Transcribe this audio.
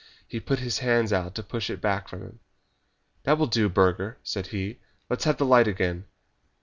He put his hands out to push it back from him. "That will do, Burger," said he, "let's have the light again."